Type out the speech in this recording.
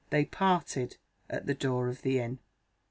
They parted at the door of the inn.